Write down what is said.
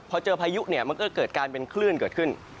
พอเจอพายุมันก็เกิดการเป็นขึ้น